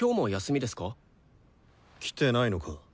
来てないのか？